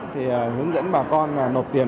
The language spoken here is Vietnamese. thì hướng dẫn bà con nộp tiền